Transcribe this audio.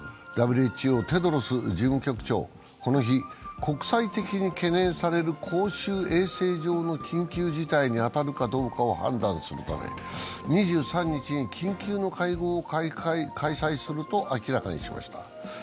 ＷＨＯのテドロス事務局長、この日、国際的に懸念される公衆衛生上の緊急事態に当たるかどうかを判断するため２３日に緊急の会合を開催すると明らかにしました。